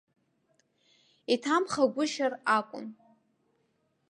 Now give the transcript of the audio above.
Иҭамхагәышьар акәын.